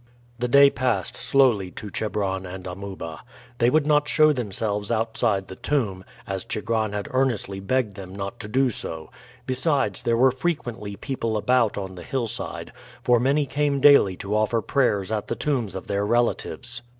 The day passed slowly to Chebron and Amuba. They would not show themselves outside the tomb, as Chigron had earnestly begged them not to do so; besides, there were frequently people about on the hillside, for many came daily to offer prayers at the tombs of their relatives.